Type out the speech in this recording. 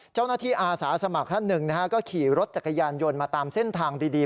เจ้าหน้าที่อาสาสมัครหนึ่งก็ขี่รถจักรยานยนต์มาตามเส้นทางดี